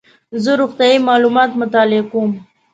زه روغتیایي معلومات مطالعه کوم.